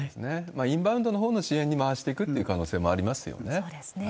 インバウンドのほうの支援に回していくという可能性もありまそうですね。